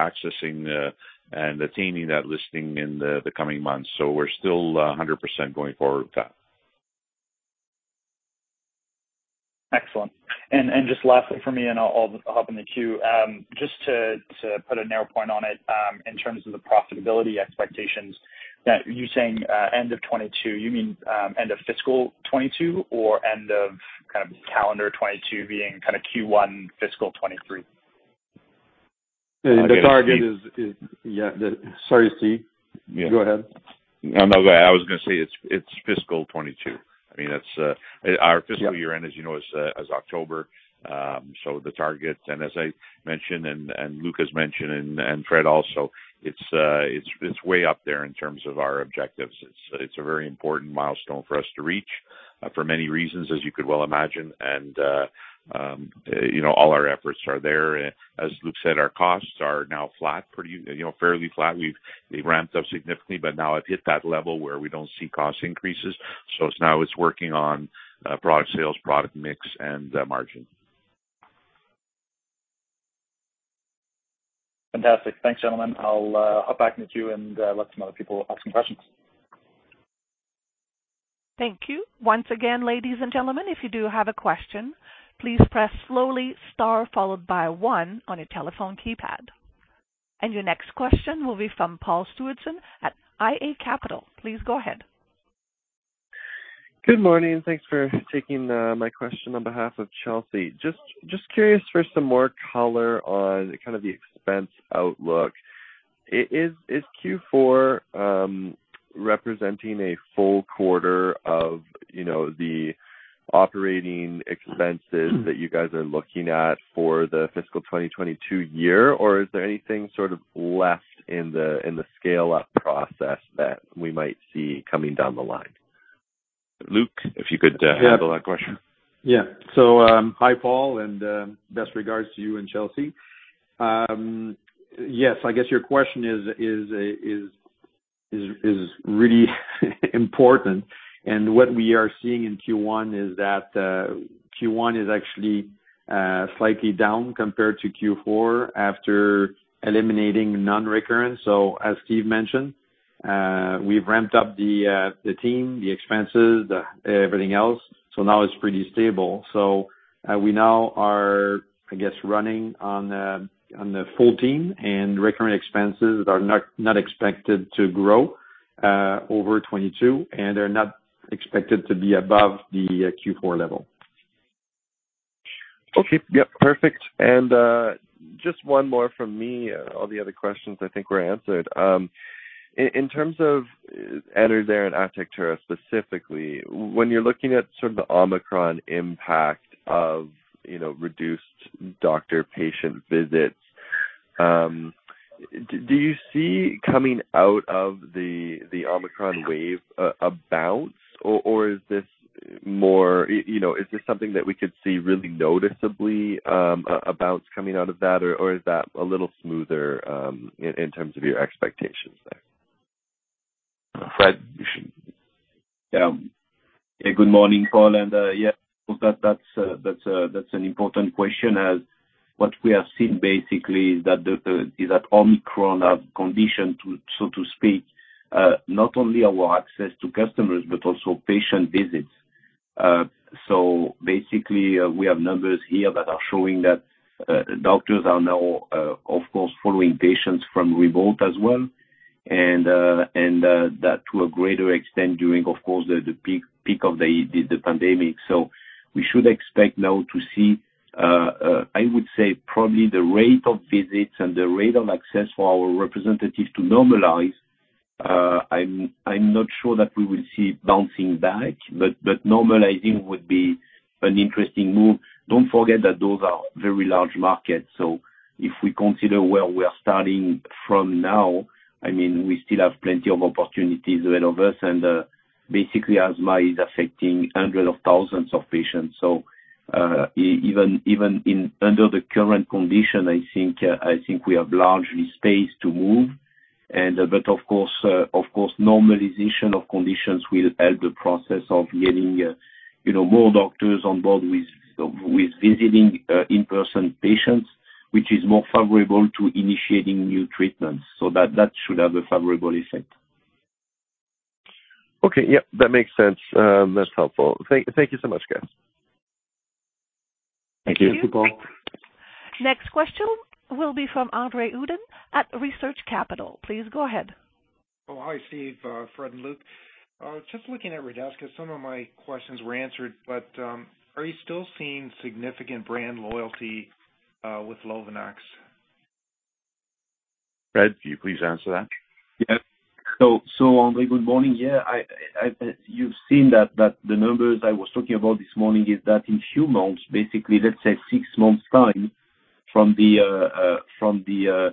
accessing and attaining that listing in the coming months. We're still 100% going forward with that. Excellent. Just lastly from me, and I'll hop in the queue. Just to put a narrow point on it, in terms of the profitability expectations that you're saying, end of 2022, you mean, end of fiscal 2022 or end of kind of calendar 2022 being kinda Q1 fiscal 2023? The target is. Yeah. Yeah. Sorry, Steve. Yeah. Go ahead. No, I was gonna say it's fiscal 2022. I mean, that's our fiscal year end, as you know, is October. The targets and as I mentioned and Luc has mentioned and Fred also, it's way up there in terms of our objectives. It's a very important milestone for us to reach for many reasons, as you could well imagine. You know, all our efforts are there. As Luc said, our costs are now flat, pretty you know, fairly flat. We've ramped up significantly, but now I've hit that level where we don't see cost increases. It's now working on product sales, product mix and margin. Fantastic. Thanks, gentlemen. I'll hop back in the queue and let some other people ask some questions. Thank you. Once again, ladies and gentlemen, if you do have a question, please press slowly star followed by one on your telephone keypad. Your next question will be from Paul Stewardson at iA Capital. Please go ahead. Good morning. Thanks for taking my question on behalf of Chelsea. Just curious for some more color on kind of the expense outlook. Is Q4 representing a full quarter of, you know, the operating expenses that you guys are looking at for the fiscal 2022 year? Or is there anything sort of left in the scale-up process that we might see coming down the line? Luc, if you could, handle that question. Hi, Paul, and best regards to you and Chelsea. Yes, I guess your question is really important. What we are seeing in Q1 is that Q1 is actually slightly down compared to Q4 after eliminating non-recurring. As Steve mentioned, we've ramped up the team, the expenses, everything else, so now it's pretty stable. We now are, I guess, running on the full team and recurrent expenses are not expected to grow over 2022, and they're not expected to be above the Q4 level. Okay. Yep. Perfect. Just one more from me. All the other questions I think were answered. In terms of Enerzair and Atectura specifically, when you're looking at sort of the Omicron impact of, you know, reduced doctor-patient visits, do you see coming out of the Omicron wave a bounce or is this more. You know, is this something that we could see really noticeably a bounce coming out of that? Or is that a little smoother in terms of your expectations there? Fred, you should- Yeah. Good morning, Paul. Yes, that's an important question. What we have seen basically is that Omicron has continued to, so to speak, not only condition our access to customers, but also patient visits. Basically, we have numbers here that are showing that doctors are now, of course, following patients remotely as well. That to a greater extent during, of course, the peak of the pandemic. We should expect now to see, I would say probably, the rate of visits and the rate of access for our representatives to normalize. I'm not sure that we will see bouncing back, but normalizing would be an interesting move. Don't forget that those are very large markets. If we consider where we are starting from now, I mean, we still have plenty of opportunities ahead of us. Basically asthma is affecting hundreds of thousands of patients. Even in under the current condition, I think we have largely space to move. Of course, normalization of conditions will help the process of getting, you know, more doctors on board with visiting in-person patients, which is more favorable to initiating new treatments. That should have a favorable effect. Okay. Yeah. That makes sense. That's helpful. Thank you so much, guys. Thank you. Thank you. Thank you. Next question will be from Andre Uddin at Research Capital. Please go ahead. Hi, Steve, Fred, and Luc. Just looking at Redesca, some of my questions were answered, but are you still seeing significant brand loyalty with Lovenox? Fred, can you please answer that? Andre, good morning. You've seen that the numbers I was talking about this morning is that in a few months, basically, let's say six months' time from the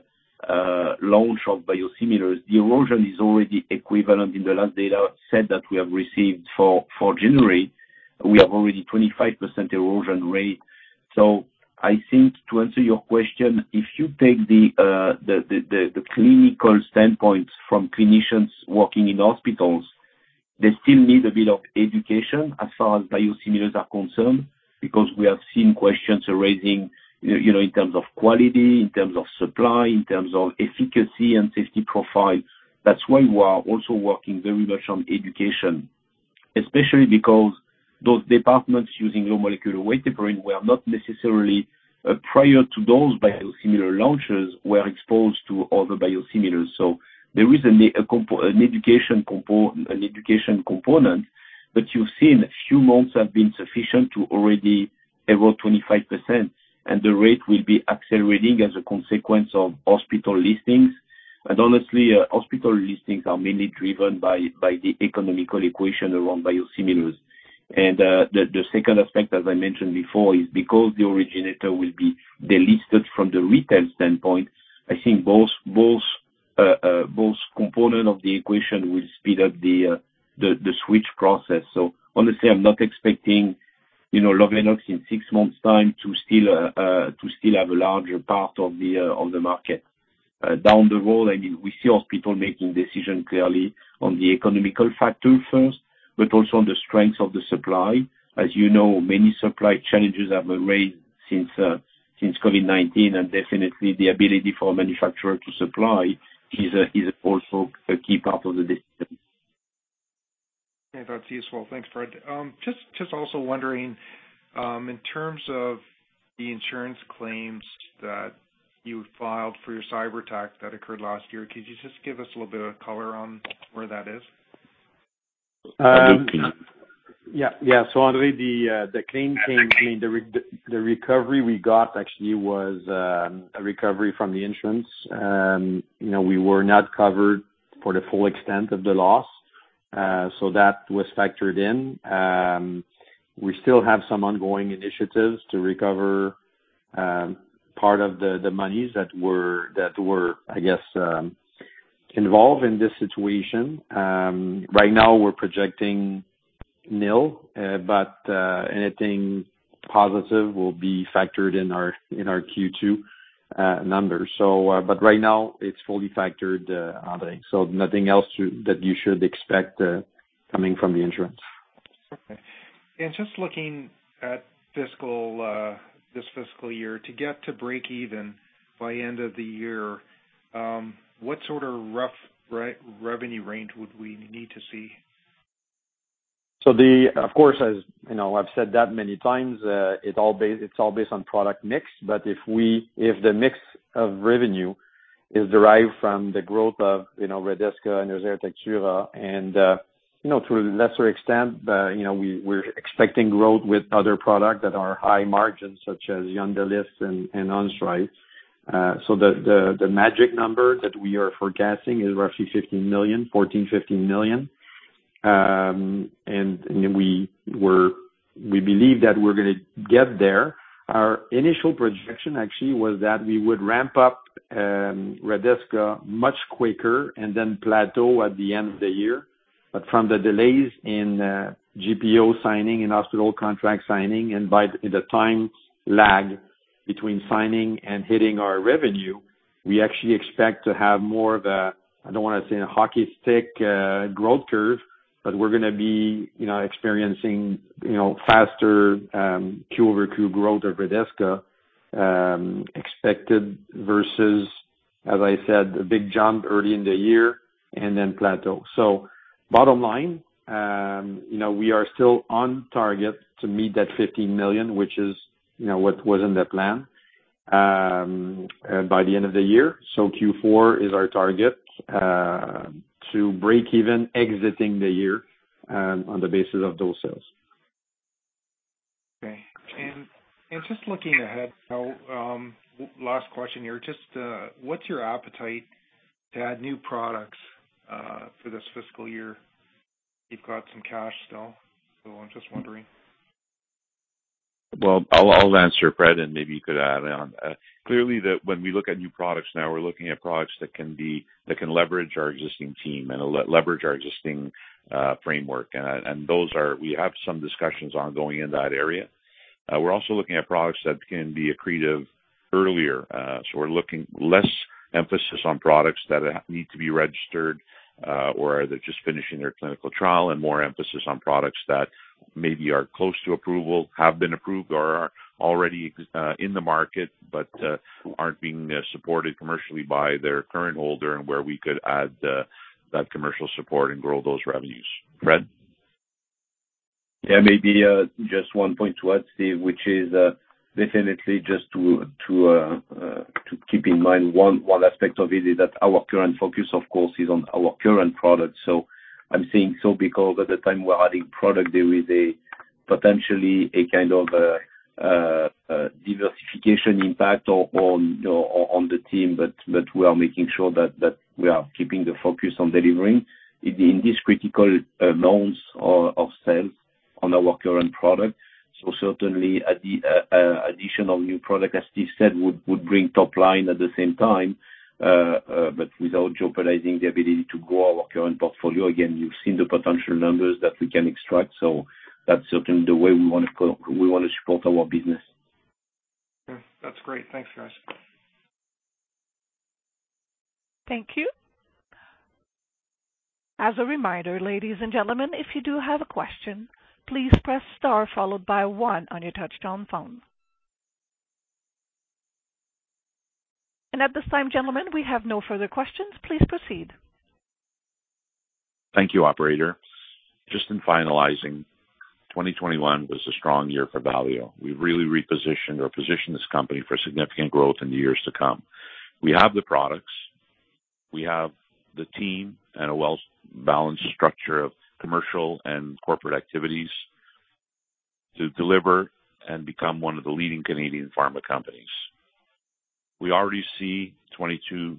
launch of biosimilars, the erosion is already equivalent in the last data set that we have received for January. We have already 25% erosion rate. I think to answer your question, if you take the clinical standpoint from clinicians working in hospitals, they still need a bit of education as far as biosimilars are concerned because we have seen questions arising, you know, in terms of quality, in terms of supply, in terms of efficacy and safety profile. That's why we are also working very much on education, especially because those departments using low molecular weight heparin were not necessarily, prior to those biosimilar launches, exposed to other biosimilars. There is an education component. You've seen a few months have been sufficient to already erode 25%, and the rate will be accelerating as a consequence of hospital listings. Honestly, hospital listings are mainly driven by the economic equation around biosimilars. The second aspect, as I mentioned before, is because the originator will be delisted from the retail standpoint, I think both component of the equation will speed up the switch process. Honestly, I'm not expecting, you know, Lovenox in six months' time to still have a larger part of the market. Down the road, I mean, we see hospital making decisions clearly on the economical factor first, but also on the strengths of the supply. As you know, many supply challenges have been raised since COVID-19, and definitely the ability for a manufacturer to supply is also a key part of the decision. Yeah. That's useful. Thanks, Fred. Just also wondering, in terms of the insurance claims that you filed for your cyber attack that occurred last year, could you just give us a little bit of color on where that is? I think. Yeah. Yeah. Andre, the claim came- Okay. I mean, the recovery we got actually was a recovery from the insurance. You know, we were not covered for the full extent of the loss, so that was factored in. We still have some ongoing initiatives to recover part of the monies that were, I guess, involved in this situation. Right now we're projecting nil, but anything positive will be factored in our Q2 numbers. Right now it's fully factored, Andre, so nothing else that you should expect coming from the insurance. Okay. Just looking at fiscal, this fiscal year, to get to breakeven by end of the year, what sort of rough revenue range would we need to see? Of course, as you know, I've said that many times, it all based on product mix. If the mix of revenue is derived from the growth of, you know, Redesca, Enerzair and Atectura and, you know, to a lesser extent, you know, we're expecting growth with other products that are high margins, such as Yondelis and Onstryv. The magic number that we are forecasting is roughly 14 million-15 million. We believe that we're gonna get there. Our initial projection actually was that we would ramp up Redesca much quicker and then plateau at the end of the year. From the delays in GPO signing and hospital contract signing, and by the time lag between signing and hitting our revenue, we actually expect to have more of a, I don't wanna say a hockey stick, growth curve, but we're gonna be, you know, experiencing, you know, faster, QoQ growth of Redesca, expected versus, as I said, a big jump early in the year and then plateau. Bottom line, you know, we are still on target to meet that 15 million, which is, you know, what was in the plan, by the end of the year. Q4 is our target to break even exiting the year, on the basis of those sales. Okay. Just looking ahead now, last question here. Just, what's your appetite to add new products for this fiscal year? You've got some cash still, so I'm just wondering. I'll answer, Fred, and maybe you could add on. Clearly when we look at new products now, we're looking at products that can be, that can leverage our existing team and leverage our existing framework. We have some discussions ongoing in that area. We're also looking at products that can be accretive earlier. So we're looking less emphasis on products that need to be registered or they're just finishing their clinical trial, and more emphasis on products that maybe are close to approval, have been approved or are already in the market, but aren't being supported commercially by their current holder and where we could add that commercial support and grow those revenues. Fred? Yeah. Maybe just one point to add, Steve, which is definitely just to keep in mind one aspect of it is that our current focus, of course, is on our current products. I'm saying so because at the time we're adding product, there is potentially a kind of diversification impact on the team, but we are making sure that we are keeping the focus on delivering in this critical launch of sales for our current product. Certainly the additional new product, as Steve said, would bring top line at the same time, but without jeopardizing the ability to grow our current portfolio. Again, you've seen the potential numbers that we can extract, so that's certainly the way we wanna support our business. Okay. That's great. Thanks, guys. Thank you. As a reminder, ladies and gentlemen, if you do have a question, please press star followed by one on your touchtone phone. And at this time, gentlemen, we have no further questions. Please proceed. Thank you, operator. Just in finalizing, 2021 was a strong year for Valeo. We really repositioned or positioned this company for significant growth in the years to come. We have the products, we have the team and a well-balanced structure of commercial and corporate activities to deliver and become one of the leading Canadian pharma companies. We already see 2022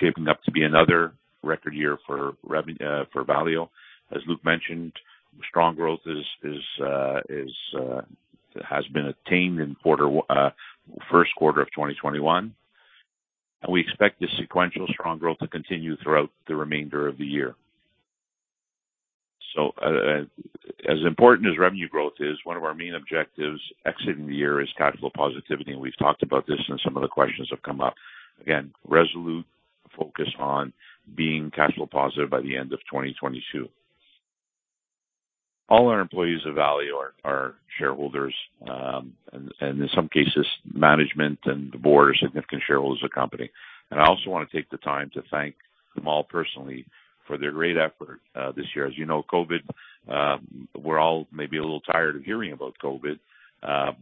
shaping up to be another record year for Valeo. As Luc mentioned, strong growth has been attained in first quarter of 2021, and we expect this sequential strong growth to continue throughout the remainder of the year. As important as revenue growth is, one of our main objectives exiting the year is capital positivity, and we've talked about this and some of the questions have come up. Resolute focus on being capital positive by the end of 2022. All our employees at Valeo are shareholders. In some cases, management and the board are significant shareholders of the company. I also wanna take the time to thank them all personally for their great effort this year. As you know, COVID, we're all maybe a little tired of hearing about COVID,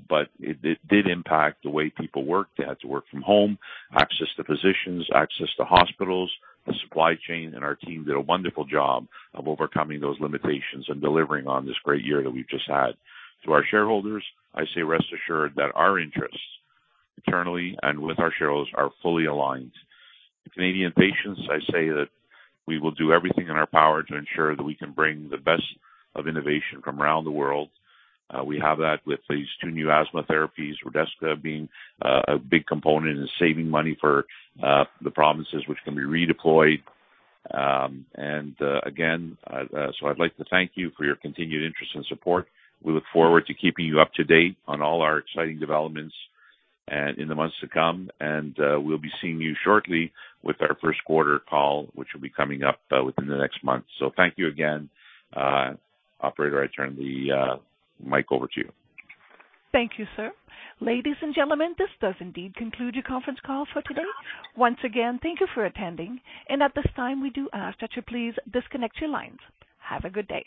but it did impact the way people worked. They had to work from home, access to physicians, access to hospitals, the supply chain, and our team did a wonderful job of overcoming those limitations and delivering on this great year that we've just had. To our shareholders, I say rest assured that our interests internally and with our shareholders are fully aligned. To Canadian patients, I say that we will do everything in our power to ensure that we can bring the best of innovation from around the world. We have that with these two new asthma therapies, Redesca being a big component in saving money for the provinces which can be redeployed. I'd like to thank you for your continued interest and support. We look forward to keeping you up to date on all our exciting developments in the months to come, and we'll be seeing you shortly with our first quarter call, which will be coming up within the next month. Thank you again. Operator, I turn the mic over to you. Thank you, sir. Ladies and gentlemen, this does indeed conclude your conference call for today. Once again, thank you for attending. At this time, we do ask that you please disconnect your lines. Have a good day.